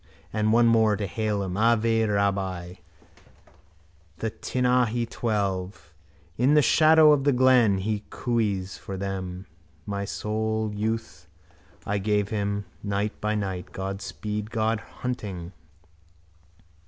And one more to hail him: ave, rabbi: the Tinahely twelve. In the shadow of the glen he cooees for them. My soul's youth I gave him, night by night. God speed. Good hunting.